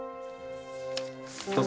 どうぞ。